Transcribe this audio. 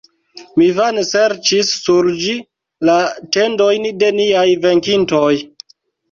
Mi vane serĉis sur ĝi la tendojn de niaj venkintoj.